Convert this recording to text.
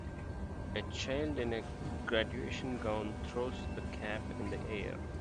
A child in a graduation gown throws the cap in the air.